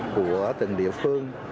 của từng địa phương